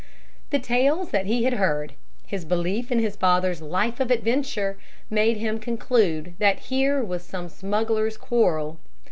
The tales that he had heard, his belief in his father's life of adventure, made him conclude that here was some smuggler's quarrel.